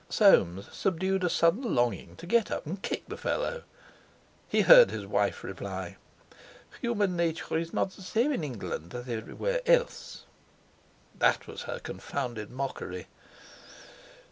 Soames subdued a sudden longing to get up and kick the fellow. He heard his wife reply: "Human nature is not the same in England as anywhere else." That was her confounded mockery!